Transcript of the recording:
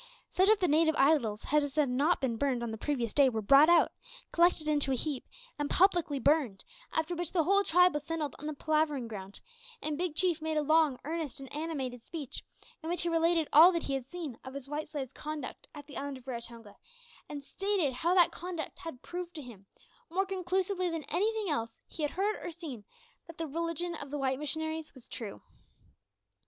Such of the native idols as had not been burned on the previous day were brought out, collected into a heap, and publicly burned, after which the whole tribe assembled on the palavering ground, and Big Chief made a long, earnest, and animated speech, in which he related all that he had seen of his white slave's conduct at the island of Raratonga, and stated how that conduct had proved to him, more conclusively than anything else he had heard or seen, that the religion of the white missionaries was true.